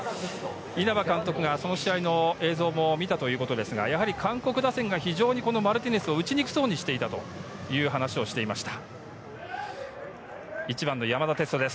稲葉監督がその試合の映像を見たということですが、韓国打線が非常にマルティネスを打ちにくそうにしていたという話です。